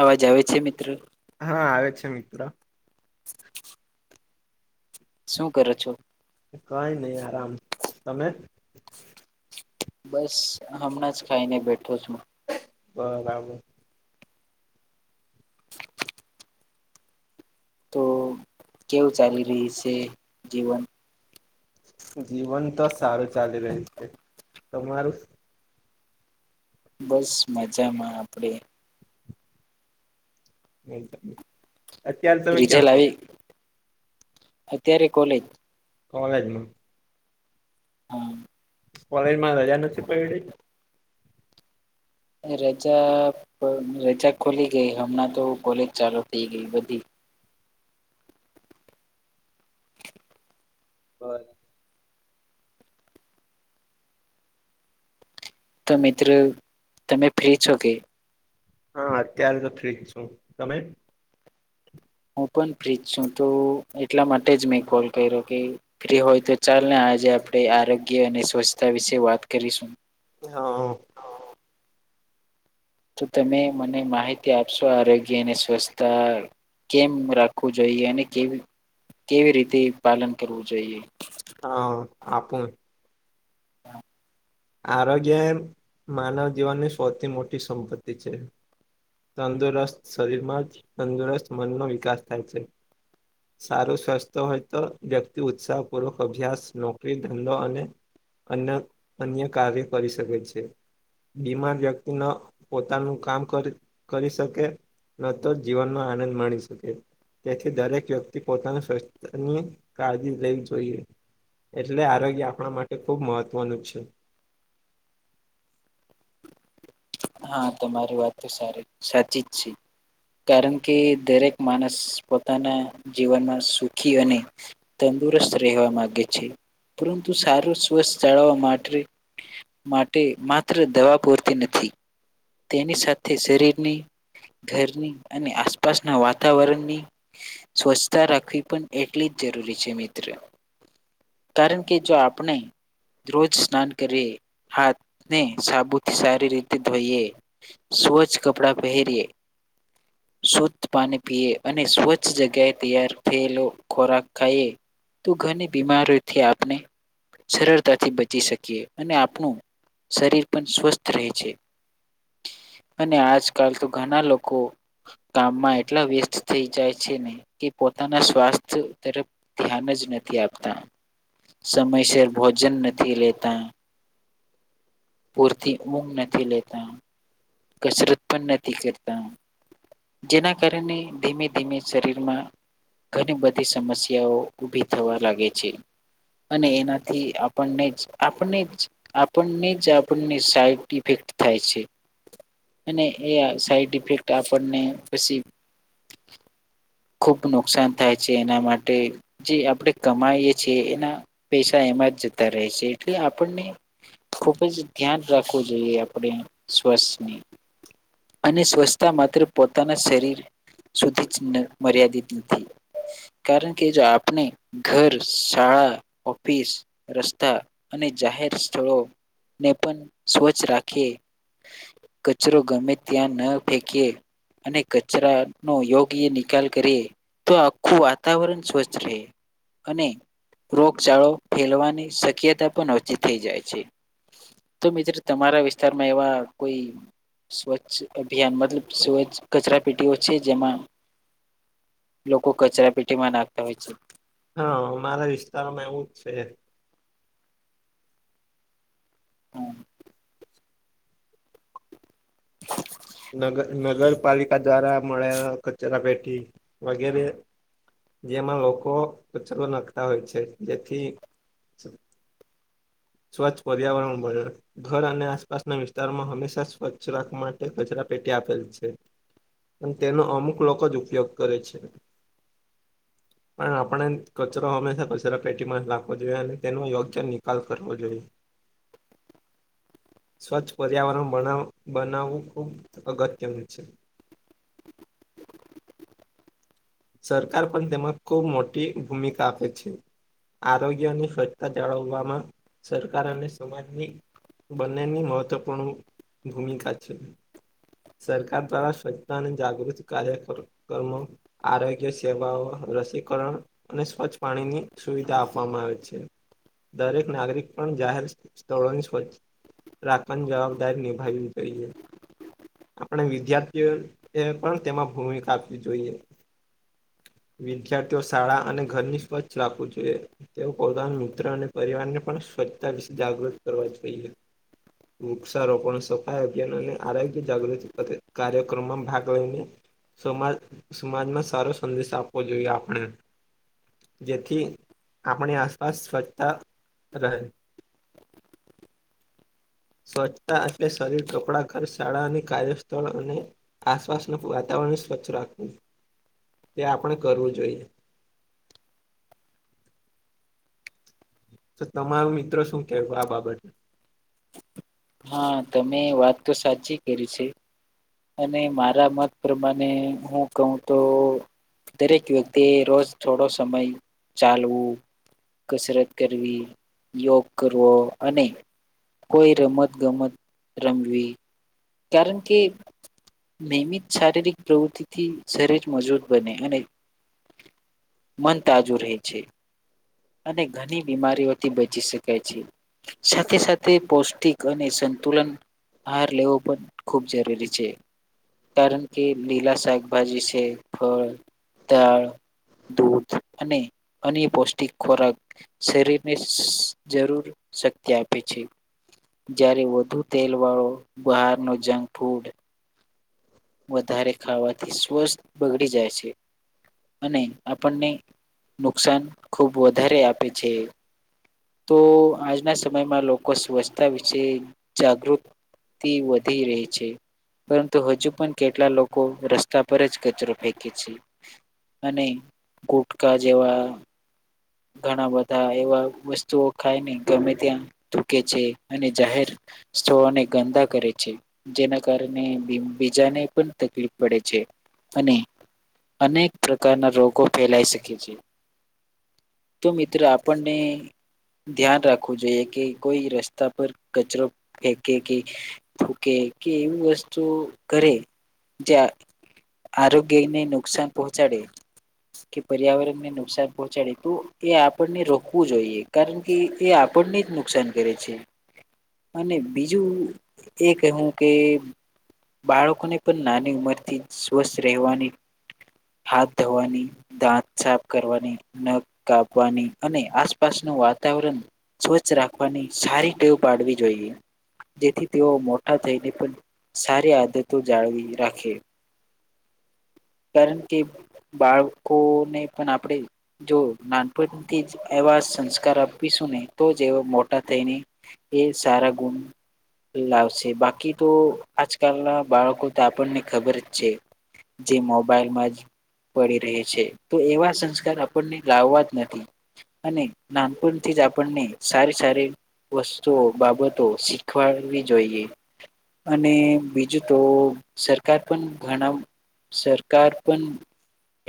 અવાજ આવે છે મિત્રો હા આવે છે મિત્રો શું કરો છો? કઈ નઈ આરામ. તમે? બસ હમણાં જ ખાઈને બેઠો છું. બરાબર તો કેવું ચાલી રહયુ છે જીવન? જીવન તો સારું ચાલી રહ્યું છે. તમારું? બસ મજામાં આપડે. [inaudible] અત્યાર તમે ક્યાં રિઝલ્ટ છો? આવી અત્યારે કોલેજ. કોલેજમાં. હન કોલેજમાં રજા નથી પયડી? રજા રજા ખુલી ગઈ. હમણાં તો કોલેજ ચાલુ થઈ ગઈ બધી. બરા તો મિત્ર તમે ફ્રી છો કે? હન અત્યારે તો ફ્રી છું. તમે? હું પણ ફ્રીજ છું મ તો એટલા માટે જ મેં કોલ કર્યો કે ફ્રી હોય તો ચાલ ને આજે આપડે આરોગ્ય અને સ્વચ્છતા વિશે વાત કરીશું. હન તો તમે મને માહિતી આપશો આરોગ્યને સ્વચ્થછતા કેમ રાખવું જોઈએ. અને કેવી કેવી રીતે પાલન કરવું જોઈએ. હન આપું. [inaudible] આરોગ્ય એ માનવ જીવનની સૌથી મોટી સંપત્તિ છે. તંદુરસ્ત શરીરમાં જ તંદુરસ્ત મનનો વિકાસ થાય છે. સારું સ્વસ્થ હોય તો વ્યક્તિ ઉત્સાહ પૂર્વક અભ્યાસ, નોકરી, ધંધો અને અન અન્ય કાર્ય કરી શકે છે. બીમાર વ્યક્તિ ન પોતાનું કામ કરી કરી શકે ન તો જીવનનો આનંદ માણી શકે. તેથી દરેક વ્યક્તિ પોતાના સ્વસ્થની કાળજી લેવી જોઈએ. એટલે આરોગ્ય આપણા માટે ખુબ મહત્વનું છે. હા તમારી વાત તો સારી સાચી જ છે. કારણ કે દરેક માણસ પોતાના જીવનમાં સુખી અને તંદુરસ્ત રહેવા માંગે છે. પરંતુ સારું સ્વસ્થ જાળવવા માટે માટે માત્ર દવા પૂરતી નથી. તેની સાથે શરીરની ઘરની અને આસપાસના વાતાવરણની સ્વચ્છતા રાખવી પણ એટલી જરૂરી છે મિત્ર કારણ કે જો આપણે રોજ સ્નાન કરીએ. હાથને સાબુથી સારી રીતે ધોઈએ. સ્વચ્છ કપડા પહેરીએ શુદ્ધ પાણી પીએ અને સ્વચ્છ જગ્યાએ તૈયાર થયેલો ખોરાક ખાઈએ તો ઘણી બીમારોયથી આપને સરળતાથી બચી શકીએ. અને આપણું શરીર પણ સ્વસ્થ રહે છે. [inaudible] અને આજકાલ તો ઘણા લોકો કામમાં એટલા વ્યસ્ત થઈ જાય છે ને કે પોતાના સ્વાસ્થ તરફ ધ્યાન જ નથી આપતા સમયસર ભોજન નથી લેતા પૂરતી ઊંઘ નથી લેતા, કસરત પણ નથી કરતા જેના કારણે ધીમે ધીમે શરીરમાં ઘણી બધી સમસ્યાઓ ઊભી થવા લાગે છે. અને એનાથી આપણને જ આપને જ આપણને જ આપણને સાઈડ ઇફેક થાય છે. અને એ સાઈડ ઇફેક્ટ આપણને પછી ખુબ નુકસાન થાય છે એના માટે જે આપણે કમાઈએ છ છેીએ એના પૈસા એમાં. જતા રહે છે એટલે આપણને ખુબ જ ધ્યાન રાખવું જોઈએ આપણે સ્વસની અને સ્વચ્છતા માત્ર પોતાના શરીર સુધી જ મર્યાદિત નથી. કારણ કે જો આપણે ઘર શાળા ઓફિસ રસ્તા. જાહેર સ્થળોને પણ સ્વચ્છ રાખી કચરો ગમે ત્યાં ન ફેંકીએ. અને કચરા નો યોગ્ય નિકાલ કરી તો આખું વાતાવરણ સ્વચ્છ રહે. અને રોગચાળો ફેલવાની શક્યતા પણ ઓચી થઈ જાય છે. તો મિત્ર તમારા વિસ્તારમાં એવા કોઈ સ્વચછ અભિયાન મતલબ સ કચરા પેટીઓ છે જેમાં લોકો કચરા પેટીમાં નાખતા હોય છે. હા મારા વિસ્તારમાં એવું જ છે. [inaudible] નગર નગરપાલિકા દ્વારા મળે કચરા પેટી વગેરે જેમાં લોકો ઉચલો નાખતા હોય છે જેથી સ્વચ્છ પર્યાવરણ બ્યા ઘર અને આસપાસના વિસ્તારમાં હંમેશા સ્વચ્છ રાખવા માટે કચરા. પેટી આપેલ છે પણ તેનો અમુક લોકો જ ઉપયોગ કરે છે. પણ આપણે કચરો હંમેશા કચરા પેટીમાં જ રાખવો જોઈએ અને તેનો યોગ્ય નિકાલ કરવ જોઈ [inaudible] સ્વચ્છ પર્યાવરણ બનાવવું ખૂબ અગત્યનું છે. [inaudible] સરકાર પણ તેમાં ખૂબ મોટી ભૂમિકા આપે છે. આરોગ્યની સ્વચ્છતા જાળવવામાં સરકાર અને સમાજની બંનેની મહત્વપૂર્ણ ભૂમિકા છે. સરકાર દ્વારા સ્વચ્છ અને જાગૃતિ કાર્યકમો આરોગ્ય સેવાઓ રસીકરણ અને સ્વચ્છ પાણીની સુવિધા આપવામાં આવે છે દરેક. નાગરિક પણ જાહેર સ્થળોની સ્ રાખવાણ જવાબદાર નિભાવવી જોઈએ. આપણે વિદ્યાર્થીઓ એ પ. ણ તેમાં ભૂમિકા આપવી જોઈએ [inaudible] વિદ્યાર્થીઓ શાળા અને ઘરની સ્વચ્છ રાખવું જોઈએ તેઓ પોતાના મિત્ર અને પરિવારને પણ સ્વચ્છતા વિશે જાગૃત કરવા જોઈએ. વૃક્ષારોપણ સફાઈ અભિયાન અને આરોગ્ય જાગૃતિ કાર્યક્રમમાં ભાગ લઈને સમાજ સમાજમાં સારો સંદેશ આપવો જોઈએ આપણે. જેથી આપણી આસપાસ સ્વચ્છતા રહે [inaudible] સ્વચ્છતા એટલે શરીર ટકળા ઘર શાળાની કાર્યસ્થળ અને આસપાસ ન વાત વાતાવરણ સ્વચ્છ રાખવું તે આપણે કરવું જોઈએ. [inaudible] તો તમારું મિત્રો શું કેહેવું આ બાબત હા તમે વાત તો સાચી કરી છે. અને મારા મત પ્રમાણે હું કહું તો દરેક વ્યક્તિ એ રોજ થોડો સમય ચાલવું. કસરત કરવી યોગ કરવો અને કોઈ રમત ગમત રમવી કારણ કે નિયમિત શારીરિક પ્રવૃત્તિથી સરેજ મજબૂત બને અને મન તાજુ રહે છે. અને ઘણી બીમારી ઓથી બચી શકાય છે સાથે સાથે પૌષ્ટિક અને સંતુલન આહાર લેવો પણ ખૂબ જરૂરી છે. કારણ કે લીલા શાકભાજી છે ફળ, દાળ દૂધ અને અન્ય પૌષ્ટિક ખોરાક શરીરની શ જરૂર શક્તિ આપે છે જ્યારે વધુ તેલ વાળો ઉપહારનો જંક ફૂડ વધારે ખાવાથી સ્વસ્થ બગડી જાય છે. અને આપણને નુકસાન ખુબ વધારે આપે છે. તો આજના સમયમાં લોકો સ્વચ્છતા વિશે જાગૃત તી વધી રહી છે. પરંતુ હજુ પણ કેટલા લોકો રસ્તા પર જ કચરો ફેંકે છે. અને ગુટકા જેવા ઘણા બધા એવા વસ્તુઓ ખાય ને ગમે ત્યાં તૂકે છે અને જાહેર સ્થનો ને ગંદા કરે છે જેના કારણે બીજાને પણ તકલીફ પડે છે. અને અનેક પ્રકારના રોગો ફેલાઈ શકે છે. તો મિત્ર આપણને ધ્યાન રાખવું જોઈએ કે કોઈ રસ્તા પર કચરો ફેકે કે ફૂકે કે એવું વસ્તુ કરે જ્યાં આરોગય ને નુકસાન પહોંચાડે કે પર્યાવરણ ને નુકસાન પહોંચાડે તો એ આપણને રોકવું જોઈએ કારણ કે એ આપણને જ નુકસાન કરે છે. અને બીજું એ કહેવું કે બાળકોને પણ નાની ઉંમરથી સ્વસ્થ રહેવાની હાથ ધોવાની, દાંત સાફ કરવાની નગ કાપવાની અને આસપાસનું વાતાવરણ સ્વચ્છ રાખવાની સારી ટેવ પાડવી જોઈએ. જેથી તેઓ મોટા થઈને પણ સારી આદતો જાળવી રાખે. કારણ કે, બાળકોને પણ આપણેે જો નાનપણથી જ એવા સંસ્કાર આપીશું ને તો જ એવા મોટા થઈને એ સ રા ગુણ લાવશે બાકી તો આજકાલના બાળકો તો આપણને ખબર જ છે. જે મોબાઈલમાં જ પડી રહે છે તો એવા સંસ્કાર આપણને લાવવા જ નથી. અને નાનપણથી જ આપણને સારી સારી વસ્તુઓ બાબતો શીખવા વી જોઈએ અને બીજું તો સરકાર પણ ઘણા સરકાર પણ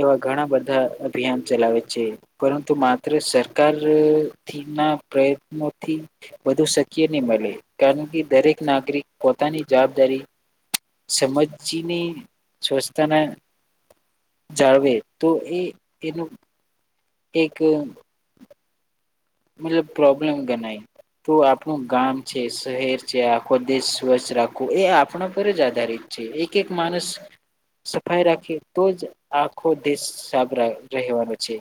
એવા ઘણા બધા અભિયાન ચલાવે છે પરંતુ માત્ર સરકારથી ના પ્રયત્નોથી વધુ શ મળે કારણ કે દરેક નાગરિક પોતાની જવાબદારી સમજજીની સ્વચ્થતાના જાળવે તો એ એનું એક મલબ પ્રોબ્લેમ ગનાય તો આપણું ગામ છે શહેર છે આખો દેશ સ્વચ્છ રાખવો એ આપણા પર જ આધારિત છે એક એક માનસ સફાઈ રાખી તો જ આખો દેશ સાફ રાહ રહેવાનો છે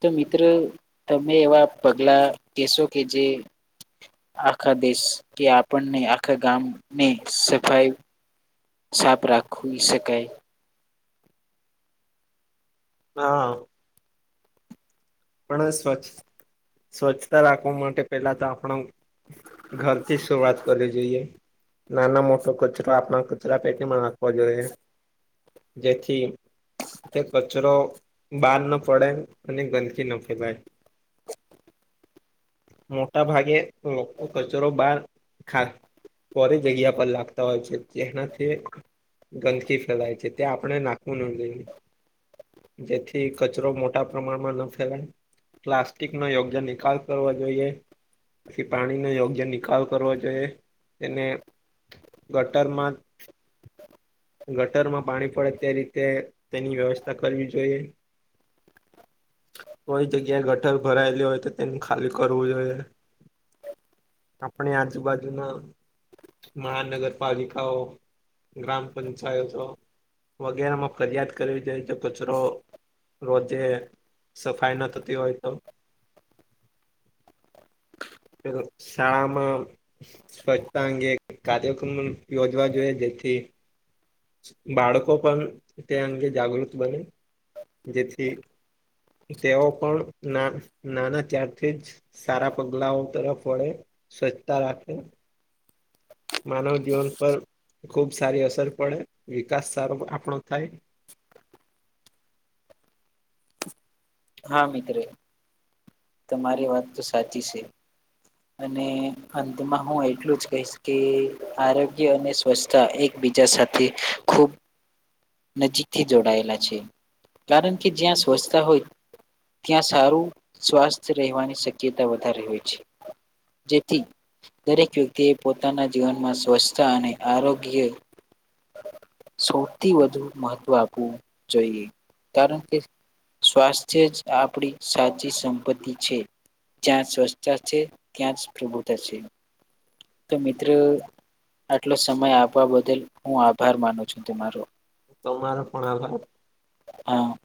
તો મિત્રો તમે એવા પગલા કહેશો કે જે આખા દેશ કે આપણને આખા ગામની સફાઈ સાફ રાખવી શકાય. હા પણ સ્વચ્છ સ્વચ્છતા રાખવા માટે પેલા તો આપણ ઘરથી શરૂઆત કરવી જોઈએ. નાનો મોટો કચરો આપણા કચરા પેટીમાં નાખવા જોઈએ. જેથી તે કચરો બહાર ન પડે અને ગંદકી ચિના ફે ભાઈ [unintelligible] [inaudible] મોટા ભાગે લોકો કચરો બાર ખા કોરી જગ્યા પર લાગતા હોય છે જેનાથી ગંદકી ફેલાય છે ત્યાં આપણે નાખવું ન જોઈને. જેથી કચરો મોટા પ્રમાણમાં ન ફેલાઈ પ્લાસ્ટિક નો યોગ્ય નિકાલ કરવો જોઈએ. પછી પાણીનો યોગ્ય નિકાલ કરવો જોઈએ તેને ગટરમાં ગટરમાં પાણી પડે તે રીતે તેની વ્યવસ્થા કરવી જોઈએ. કોઈ જગ્યા ગટર ભરાયેલી હોય તો તેને ખાલી કરવું જોઈએ. આપણે આજુ બાાજુ ના મહાનગરપાલિકાઓ ગ્રામ પંચાય તો વગેરેમાં ફરિયાદ કરવી જોઈએ તો કચરો રોજે સફાઈ ન થતી હોય તો [inaudible] શાળામાં સ્વચ્છતા અંગે કાર્યક્રમ યોજવા જોઈએ જેથી થી બાળકો પણ તે અંગે જાગૃત બને જેથી તેઓ પણ ના-નાના ત્યારથી જ સારા પગલાઓ તરફ વળે સ્વચ્છતા રાખે. માનવ જીવન પર ખુબ સારી અસર પડે વિકાસ સારો આપણો થાય. [unintelligible] હા મિત્રો તમારી વાત તો સાચી છે. અને અંતમાં હું એટલું જ કહીશ કે આરોગ્ય અને સ્વચ્છતા એક બીજા સાથે ખૂબ નજીકથી જોડાયેલા છે કારણ કે જ્યાં સ્વચ્છતા હોય ત્યાં સારું સ્વાસ્થ રહેવાની શક્યતા વધારે હોય છે. જેતી દરેક વ્યક્તિએ પોતાના જીવનમાં સ્વચ્છ અને આરોગ્ય સૌથી વધુ મહત્વ આપવું જોઈએ કારણ કે સ્વાસ્થ્ય જ આપણી સાચી સંપત્તિ છે. જ્યાં સ્વચ્છતા છે ત્યાં જ પ્રભુતા છે તો મિત્રો આટલો સમય આપવા બદલ હું આભાર માનું છું તમારો. તમારો પણ હભ હા.